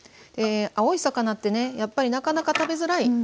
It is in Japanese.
青い魚ってねやっぱりなかなか食べづらい。